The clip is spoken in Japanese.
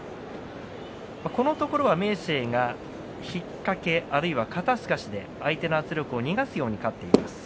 このところ明生が引っ掛けあるいは肩すかしで相手の圧力を逃がすようにして勝っています。